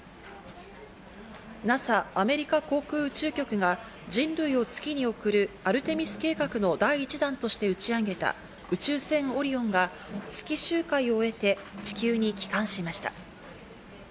ＮＡＳＡ＝アメリカ航空宇宙局が、人類を月に送る、アルテミス計画の第１弾として打ち上げた宇宙船「オリオン」が月周回を終えて、地球に帰還しました。